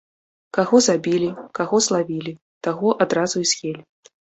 Каго забілі, каго злавілі, таго адразу і з'елі.